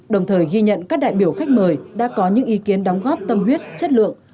đồng thời ghi nhận các đại biểu khách mời đã có những ý kiến đóng góp tâm huyết chất lượng